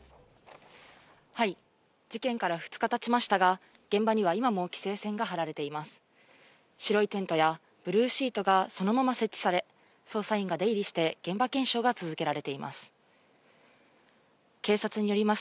事件から２日経ちましたが、現場には今も規制線が張られています。